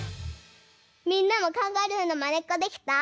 みんなもカンガルーのまねっこできた？